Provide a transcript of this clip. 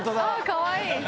かわいい！